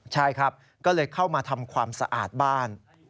ใช่ครับก็เลยเข้ามาทำความสะอาดบ้าน